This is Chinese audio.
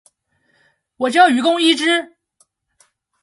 我叫雨宫伊织！